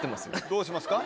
どうしますか？